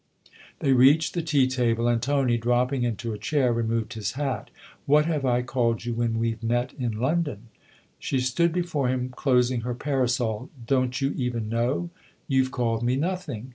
They reached the tea table, and Tony, dropping into a chair, removed his hat. " What have I called you when we've met in London ?" She stood before him closing her parasol. " Don't you even know ? You've called me nothing."